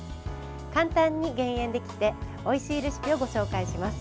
簡単に減塩できておいしいレシピをご紹介します。